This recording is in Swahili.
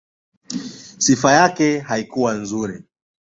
Sifa yake haikuwa nzuri.